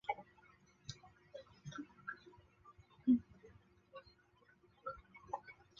退役后他曾经担任上海中纺机等乙级球队的助理教练。